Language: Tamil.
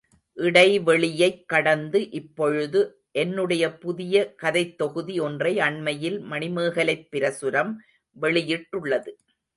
இடைவெளியைக் கடந்து, இப்பொழுது என்னுடைய புதிய கதைத் தொகுதி ஒன்றை அண்மையில் மணிமேகலைப் பிரசுரம் வெளியிட்டுள்ளது.